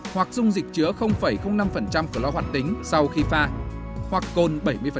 hoặc dung dịch chứa năm cửa loa hoạt tính sau khi pha hoặc côn bảy mươi